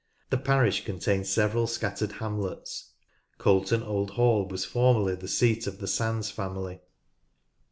The parish contains several scattered hamlets. Colton Old Hall was formerly the seat of the Sandys family, (p.